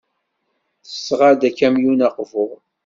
Tesɣa-d akamyun aqbur.